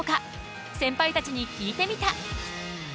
センパイたちに聞いてみた！